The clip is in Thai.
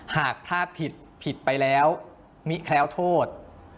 หากถ้าผิดผิดไปแล้วมิแคล้วโทษ